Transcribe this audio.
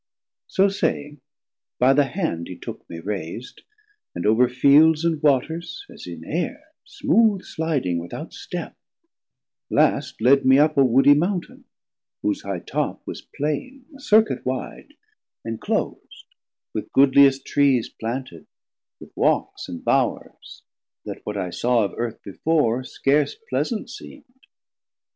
So saying, by the hand he took me rais'd, 300 And over Fields and Waters, as in Aire Smooth sliding without step, last led me up A woodie Mountain; whose high top was plaine, A Circuit wide, enclos'd, with goodliest Trees Planted, with Walks, and Bowers, that what I saw Of Earth before scarse pleasant seemd.